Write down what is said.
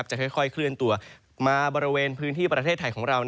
จะค่อยเคลื่อนตัวมาบริเวณพื้นที่ประเทศไทยของเรา